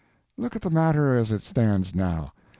Look at the matter as it stands now.